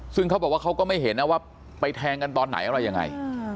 ซึ่งเขาบอกว่าเขาก็ไม่เห็นนะว่าไปแทงกันตอนไหนอะไรยังไง